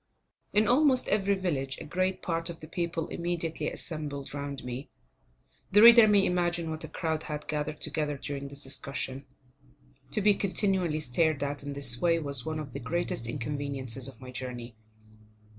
In almost every village, a great part of the people immediately assembled round me. The reader may imagine what a crowd had gathered together during this discussion. To be continually stared at in this way was one of the greatest inconveniences of my journey.